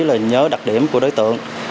là nhớ đặc điểm của đối tượng